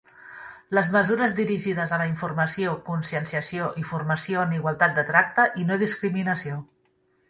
Les mesures dirigides a la informació, conscienciació i formació en igualtat de tracte i no-discriminació.